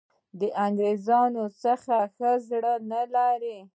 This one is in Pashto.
د انګرېزانو څخه ښه زړه نه لري.